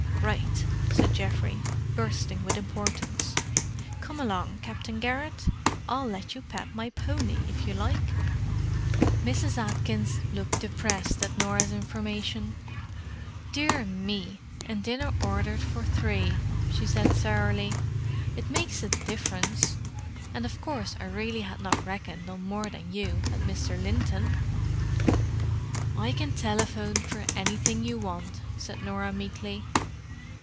"Right!" said Geoffrey, bursting with importance. "Come along, Captain Garrett. I'll let you pat my pony, if you like!" Mrs. Atkins looked depressed at Norah's information. "Dear me! And dinner ordered for three!" she said sourly. "It makes a difference. And of course I really had not reckoned on more than you and Mr. Linton." "I can telephone for anything you want," said Norah meekly.